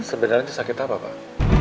sebenernya sakit apa pak